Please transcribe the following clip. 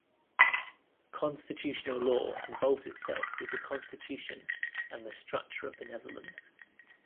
Constitutional law involves itself with the constitution and the structure of the Netherlands.